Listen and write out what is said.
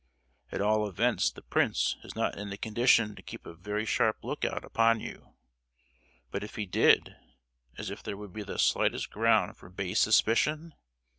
At all events the prince is not in the condition to keep a very sharp look out upon you; but if he did, as if there would be the slightest ground for base suspicion?